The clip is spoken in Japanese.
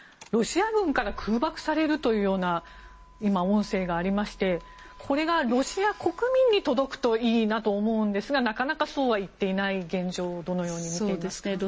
ロシア軍から空爆されるというような今、音声がありましてこれがロシア国民に届くといいなと思うんですがなかなかそうはいっていない現状をどのように見ますか。